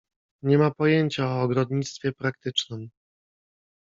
"Nie ma pojęcia o ogrodnictwie praktycznem."